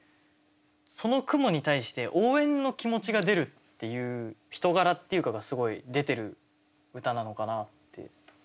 その蜘蛛に対して応援の気持ちが出るっていう人柄っていうかがすごい出てる歌なのかなって。